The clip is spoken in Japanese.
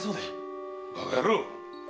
バカ野郎！